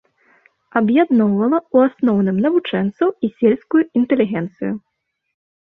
Аб'ядноўвала ў асноўным навучэнцаў і сельскую інтэлігенцыю.